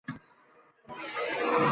O’zlari davoga muhtoj –